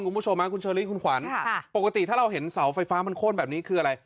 คุณผู้ชมคุณเชอรี่คุณขวัญปกติถ้าเราเห็นเสาไฟฟ้ามันโค้นแบบนี้คืออะไร